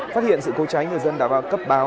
phát hiện sự cố cháy người dân đã vào cấp báo